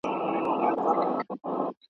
محفل دي خوږدی می که تر خه دي !.